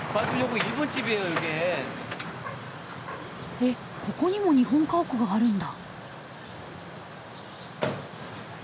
えっここにも日本家屋があるんだ。